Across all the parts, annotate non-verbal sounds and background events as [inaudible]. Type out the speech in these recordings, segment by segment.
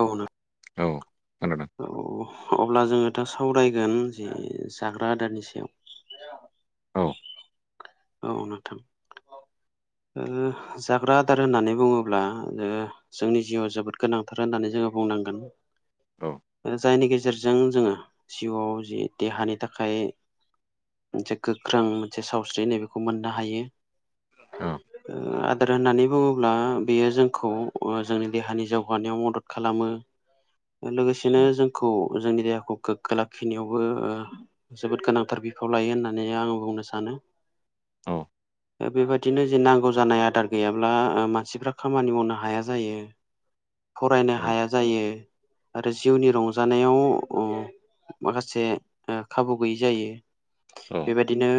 औ नों औ खोनादों औ अब्ला जोङो दा सावरायगोन जे जाग्रा आदारनि सायाव औ औ नोंथां [inaudible] जाग्रा आदार होननानै बुङोब्ला जोंनि जिउआव जोबोद गोनांथार होननानै जोङो बुं नांगोन। औ जायनि गेजेरजों जोङो जिउआव जि देहानि थाखाय मोनसे गोख्रों मोनसे सावस्रिनाय बेखौ मोननो हायो। औ होननानै बुङोब्ला बेयो जोंखौ जोंनि देहानि जौगानायाव मदद खालामो। लोगोसेनो औ जोंखौ जोंनि देहाखौ गोग्गो लाखिनायावबो जोबोद गोनांथार बिफाव लायो होननानै आं बुंनो सानो। औ बेबादिनो जे नांगौ जानाय आदार गैयाब्ला मानसिफ्रा खामानि मावनो हाया जायो। [inaudible] फरायनो औ हाया जायो। आरो जिउनि रंजानायाव माखासे खाबु गैयै जायो। बेबायदिनो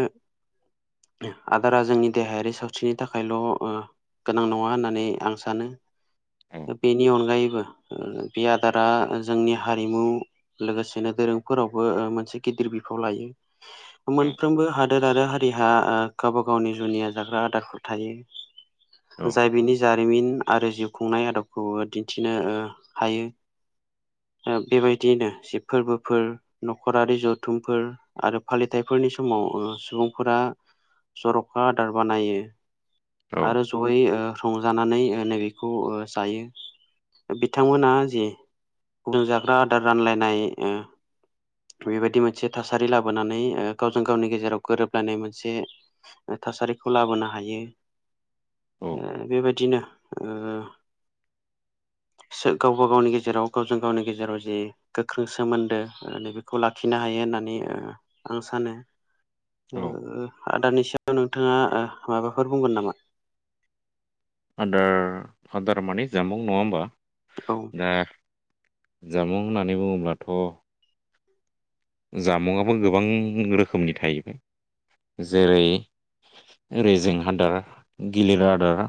आदारा जोंनि देहायारि सावस्रिनि थाखायल ओ गोनां नङा होननानै आं सानो। बेनि अनगायैबो बे आदारा जोंनि हारिमु लोगोसेनो दोरोंफोरावबो मोनसे गिदिर बिफाव लायो मोनफ्रोमबो हादोर आरो हारि बिहा गावबा गावनि जुनिया जाग्रा आदारफोर थायो जाय बिनि जारिमिन आरो जिउ खुंनाय आदबखौ दिन्थिनो हायो। बेबायदियैनो जि फोरबोफोर नखरारि जथुमफोर आरो फालिथायफोर फोरनि समाव सुबुं फोरा जर'खा आदार बानायो औ आरो जयै संजानानै नैबेखौ जायो बिथांमोना जि बेदर जाग्रा आदार रानलायनाय ओ बेबायदि मोनसे थासारि लाबोनानै ओ गावजों गावनि गेजेराव गोरोब लायनाय मोनसे थासारिखौ लाबोनो हायो औ ओ बेबायदिनो ओ [inaudible] गावबा गावनि गेजेराव गावजों गावनि गेजेराव जि गोख्रों सोमोन्दो नै बेखौ लाखिनो हायो। होननानै आं सानो ओ औ आदारनि सायाव नोंथाङा माबाफोर बुंगोन नामा? आदार आदार माने जामुं नङा होमबा? औ ओ जामुं होननानै बुङोब्लाथ' जामुंआबो गोबां रोखोमनि थायो। जेरै रेजें आदार गिलिर आदार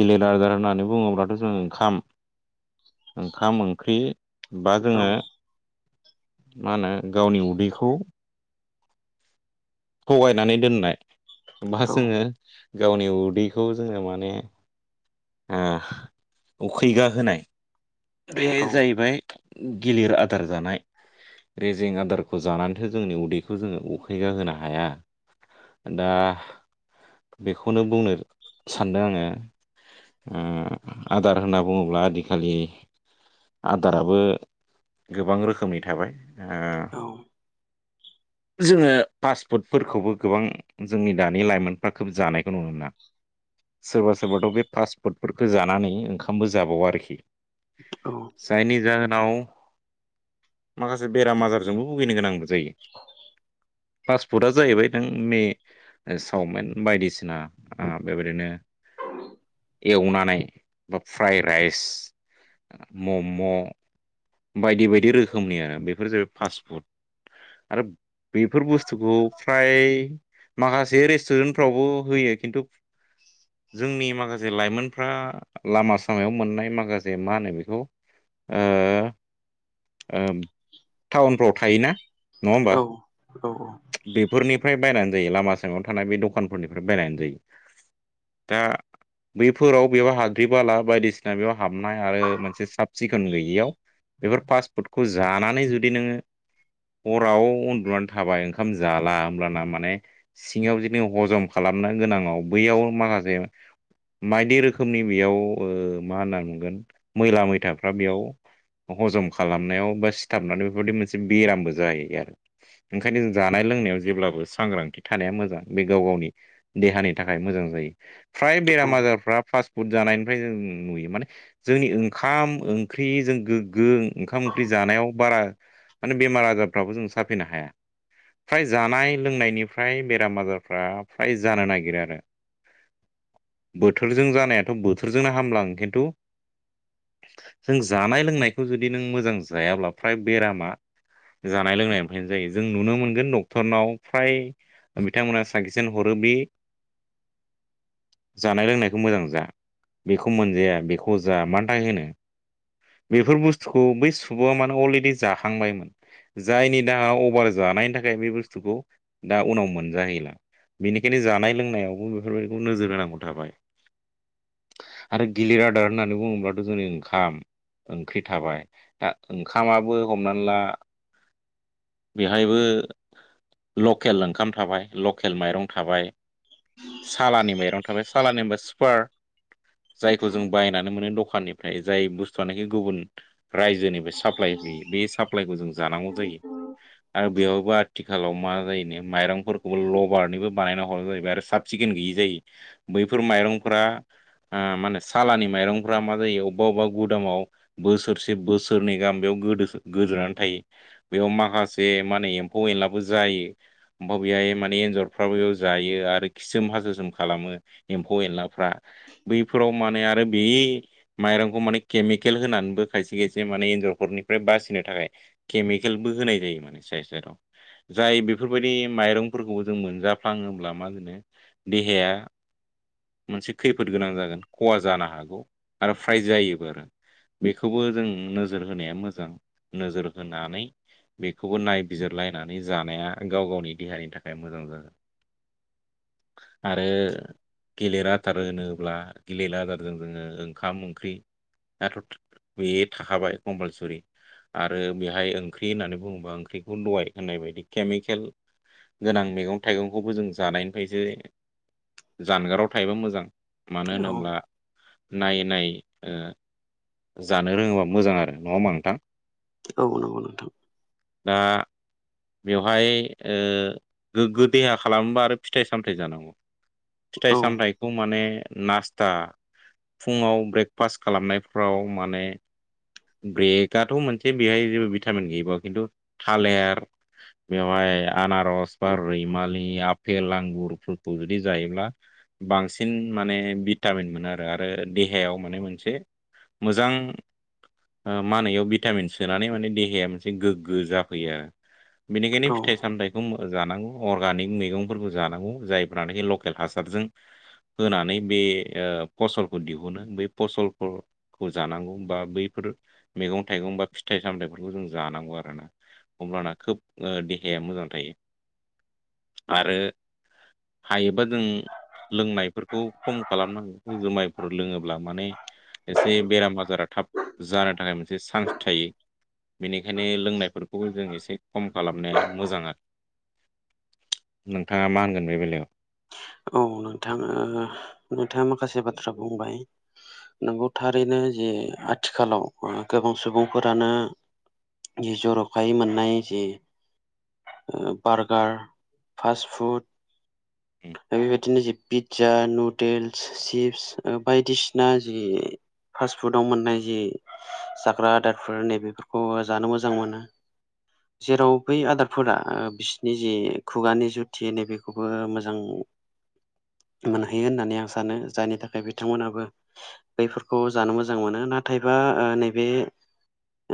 गिलिर आदार होननानै बुङोब्लाथ' जों ओंखाम ओंखाम ओंख्रि बा औ जोङो मा होनो गावनि उदैखौ थगायनानै दोननाय बा औ जोङो गावनि उदैखौ जोङो माने ओ उखैगाहोनाय बे औ जाहैबाय गिलिर आदार जानाय रेजें आदारखौ जानानैथो जोंनि उदैखौ जोङो उखैगा होनो हाया। दा बेखौनो बुंनो सानदों आङो। ओ आदार होनना बुङोब्ला आजिखालि आदाराबो गोबां रोखोमनि थाबाय। ओ औ जोङो पासपुतफोरखौबो गोबां जोंनि दानि लाइमोनफ्रा खोब जानायखौ नुनो मोनो। सोरबा सोरबाथ' बे फास्ट फुडफोरखौ जानानै ओंखामबो जाबावा आरोखि। औ चाइनिज जा नाव माखासे बेराम आजारजोंबो भुगिनो गोनां औ फास्टफुडआ जाहैबाय जोंनि ओ सावमिन बायदिसिना ओ बेबायदिनो ओ [inaudible] एवनानै बा फ्राइ राइस मम' बायदि बायदि रोखोमनि आरो बेफोर जाहैबाय फास्टफुड आरो बेफोर बुस्थुखौ फ्राय माखासे रेस्टुरेन्ट फ्रावबो होयो खिन्थु जोंनि माखासे लाइमोनफ्रा लामा सामायाव मोननाय माखासे मा होनो बेखौ ओ ओ टाउनफ्राव थायोना नङा होमबा? औ बेफोरनिफ्राय बायनानै जायो लामा सामायाव थानाय बे दखानफोरनिफ्राय बायनानै जायो। दा बैफोराव बेयाव हाद्रि बाला बायदिसिना बेयाव हाबनाय आरो मोनसे साब सिखोन गैयैयाव बेफोर फासफुडखौ जानानै जुदि नोङो हराव उनदुनानै थाबाय ओंखाम जाला होमब्लाना माने सिङाव जुदि हजम खालामनो गोनाङाव बैयाव [unintelligible] बायदि रोखोमनि बेयाव ओ मा होनना मोनगोन मैला मैथाफ्रा बेयाव हजम खालामनायाव बा सिथाबनानै बेफोरबायदि मोनसे बेरामबो जाहैबाय आरो। ओंखायनो जानाय लोंनायाव जेब्लाबो सांग्रांथि थानाया मोजां बे गाव गावनि देहानि थाखाय। मोजां जायो फ्राय बेमार आजारफ्रा पास्त पुत जानाय निफ्राय जों नुयो माने जोंनि ओंखाम ओंख्रि जों गोगो ओंखाम ओंख्रि जानायाव फ्राय माने बेमार आजारफ्राबो जों साफैनो हाया। फ्राय जानाय लोंनायनिफ्राय बेराम आजारफ्रा फ्राय जानो नागिरो आरो। बोथोरजों जानायाथ' बोथोरजोंनो हामलाङो खिन्थु जों जानाय लोंनायखौ जुदि नों मोजां जायाब्ला फ्राय बेरामा जानाय लोंनाय बेनो जायो जों नुनो मोनगोन डक्टरनाव फ्राय बिथांमोना साजेसन हरो बे जानाय लोंनायखौ मोजां जा। बेखौ मोनजाया बेखौ जा मानि थाखाय होनो? बेफोर बुस्थुखौ बै सुबुङा मानो अलरेडि जाखांबायमोन जायनि गाव अभार जानायनि थाखाय बे बुस्थुखौ दा उनाव मोनजाहैला। बेनिखायनो जानाय लोंनायावबो बेफोरबायदिखौ नोजोर होनांगौ थाबाय आरो गिलिर आदार होननानै बुङोब्लाथ' जोंनि ओंखाम ओंख्रि थाबाय दा ओंखामाबो हमनानै ला बेहायबो लकेल ओंखाम थाबाय लकेल माइरं थाबाय सालानि माइरं थाबाय सालानि हबा स्पार जायखौ जों बायना मोनो दखनिफ्राय जाय बुु गुब रनि सापइ होयो बे सापइखौ जों। जानांगौ जायो। आरो बेहबो आथिखालाव मा जायो माइरंफोरखौबो लबारनिबो बानायना हरा जाहैबाय आरो साब सिखोन गै यै जायो बैफोर माइरंफोरा माने सालानि माइरंफोरा मा जायो अबेबा अबेबा गुदामाव बोसोरसे बोसोरनै गाहाम बेयाव गोदोसो गोदोनानै थायो। बेयाव माखासे माने एम्फौ एनलाबो जायो ओमफ्राय बेहाय माने एन्जरफ्राबो बेयाव जायो। आरि खिसोम हासुसोम खालामो एमफौ एनला फ्रा बैफोराव माने आरो बे माइरंखौ मान केमिकेल होनानैबो खायसे खायसे माने एन्जरफोरनिफ्राय बासि नि थाखाय केमि केलबो होनाय जायो माने सेराव सेराव जाय बेफोरबायदि माइरंफोरखौबो जों मोनजाफ्लाङोब्ला। मा होनो देहाया। मोनसे खैफोद गोनां जागोन खहा जानो हागौ आरो फ्राय जायोबो आरो। बेखौबो जों नोजोर होनाया मोजां नोजोर होनानै। बेखौबो नायबिजिरलायनानै जानाया गाव गावनि देहानि थाखाय मोजां जागोन आरो गोलि रा फोथार होनोब्ला गिलेला आदारजों जोङो ओंखाम ओंख्रि। दाथ' बे थाखाबाय कम्पालसरि आरो बेहाय ओं ख्रि होननानै बुङोबा ओंख्रिखौ दाइ होननाय बायदि केमिकेल गोनां मैगं थाइगंखौबो जों जानायनिफ्रायसो जानगाराव थायोबा मोजां। मानो औ होनोब्ला। नायै नायै जानो रोङोबा मोजां आरो नङा होमबा नोंथां। औ नंगौ नोंथां। दा बेवहाय गोग्गो देहा खालामोबा आरो फिथाइ सामथाइ जानांगौ फिथाइ औ सामथायखौ माने। नास्टा फुङाव ब्रेकफास्ट खालामनायफ्राव माने। ब्रेकआथ' मोनसे बेहाय जेबो भिटामिन गैयबा खिन्थु थालेर बेवहाय आनारस बा रैमालि आ पेल आंगुरफोरखौ जुदि जायोब्ला बांसिन माने भटामिन मोनो आरो। देहायाव माने मोनसे मोजां माहोनो बेयाव भिटामिन सोनानै माने। देहाया मोनसे गोग्गो जाफैयो बेनिखायनो औ फिथाइ सामथाइखौ। जानांगौ अर्गानिक मैगंफोरखौ जानांगौ जायफ्रानोखि लकेल हासारजों। होनानै बे फसलखौ दिहुनो बै फसलफोरखौ जानांगौ बा बै फोर मैगं थाइगं बा फिथाइ-सामथाइ बेफोरखौ जों जानांगौ आरो ना अब्लाना खोब देहाया मोजां थायो। आरो हायोबा जों। लोंनायफोरखौ खम खालामनांगौ जुमायफोर लोङोब्ला माने। एसे बेराम आजारा थाब जानो थाखाय मोनसे चान्स थायो। बेनिखायनो लोंनायफोरखौबो जों एसे खम खालामनाया मोजां आरो। नोंथाङा मा होनगोन बे बेलायाव। औ नोंथां नोंथाङा माखासे बाथ्रा बुंबाय। नंगौ थारैनो जे आथिखालाव ओ गोबां सुबुंफोरानो। जि ज' रखाय मोननाय जि। ओ बारगार फासटफुड। उम बेबायदिनो जि पिज्जा नुदोल्स चिप्स बायदिसिना जि। फास्ट फुडाव मोननाय जि जाग्रा आदारफोर नैबेफोरखौ जानो मोजां मोनो। जेराव बै आदारफोरा ओ‌ बिसिनि जि खुगानि जुथि नैबेखौबो मोजां। जों। [inaudible] मोनहैयो होननानै आं सानो जायनि थाखाय बिथांमोनाबो बैफोरखौ जानो मोजां मोनो नाथाय बा ओ ओ नैबे।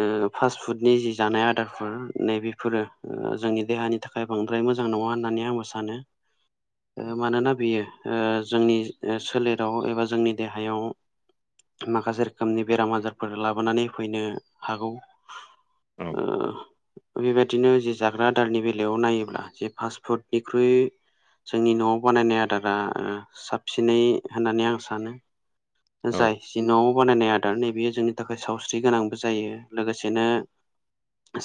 ओ फास्ट फुडनि जि जानाय आदारफोर नैबेफोरो जोंनि देहानि थाखाय बांद्राय। मोजां नङा होननानै आंबो सानो मानोना बेयो। ओ जोंनि सोलेराव एबा जोंनि देहायाव। माखासे रोखोमनि बेराम आजारफोर लाबोनानै फैनो हागौ। औ ओ। बेबायदिनो जि जाग्रा आदारनि बेलायाव नायोब्ला जे फास्ट फुडनिख्रुइ। जोंनि न'आव बानायनाय आदारा ओ साबसिनै होननानै आं सानो। औ जाय जि न'आव बानायनाय आर नैबेयो जोंनि थाखाय सावस्रि गोनांबो जायो। लोगोसेनो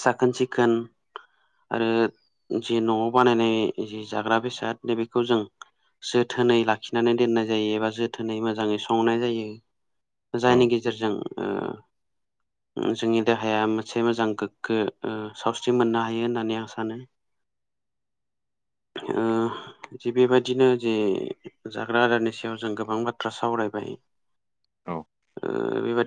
साखोन सिखोन आरो जि न'आव बानायनाय जि जाग्रा बेसाद नै बेखौ जों जोथोनै लाखिनानै दोननाय जायो एबा जोथोनै मोजाङै सं संनाय जायो जायनि औ गेजेरजों ओ [inaudible] ओम जोंनि देहाया मोनसे मोजां गोग्गो सावस्रि मोननो हायो होननानै आं सानो। [inaudible] ओ जि बेबायदिनो जे जाग्रा आदारनि सायाव जों गोबां बाथ्रा सावराय बाय। औ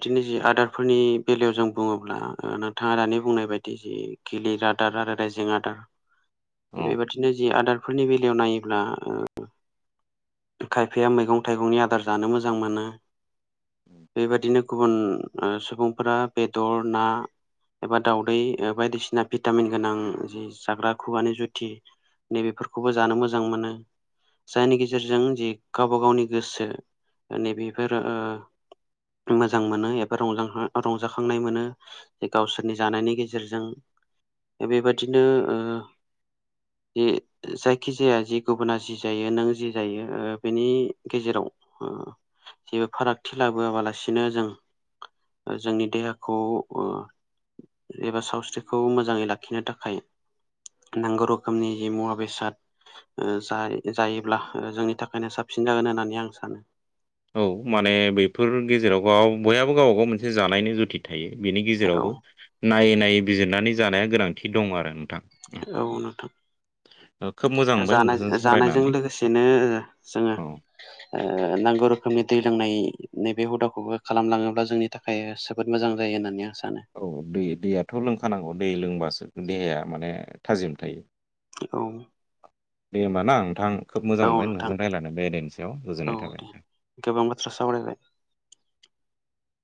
बिदिनो जि आदारफोरनि बेलायाव जों बुङोब्ला नोंथाङा दानि बुंनाय बायदि जि गिलिर आदारा रादायजों आदा औ बेबायादिनो जि आदार बेफोरनि बेलायाव नायोब्ला ओ खायफाया मैगं थाइगंनि आदार जानो मोजां मोजां मोनो। बेबादिनो गुबुन ओ सुबुंफोरा बेदर ना एबा दावदै बायदिसिना भिटामिन गोनां जि जाग्रा खुगानि जुथि नैबेफोरखौबो जानो मोजां मोनो। जायनि गेजेरजों जि गावबा गावनि गोसो नैबेफोर ओ मोजां मोनो एबा रंजां रंजाखांनाय मोनो जे गावसोरनि जानायनि गेजेरजों बेबादिनो ओ जे जायखिजाया जि गुबुना जि जायो नों जि जायो ओ बेनि गेजेराव ओ जेबो फारागथि लाबोआबालासिनो जों जोंनि देहाखौ एबा सावस्रिखौ मोजाङै लाखिनो थाखाय नांगौ रोखोमनि जि मुवा बेसाद जायोब्ला जोंनि थाखायनो साबसिन जागोन होननानै आं सानो। औ माने बेफोर गेजेराव बाव बयहाबो गावबा गाव मोनसे जानायनो जुथि बिनि औ गेजेरावबो नायै नायै बिजिरनानै जानाया गोनांथि दं आरो। औ नोंथां औ जानाय जानायजों लोगोसेनो जोङो औ ओ नांगौ रोखोमनि दै लांनाय नैबे हुदाखौबो खालामलाङोब्ला जोंनि थाखाय जोबोद मोजां जायो होननानै आं सानो औ दै दैयाथ लोंखानांगौ दै लोंबासो देहाया माने थाजिम थायो। औ दे होमबा ना नोंथां खोब मोजां औ मोनबाय नोंथां नोंथांजों रायलाय बेदेनि सायाव औ गोजोननाय दे थाबाय। गोबां बाथ्रा सारायबाय। [inaudible]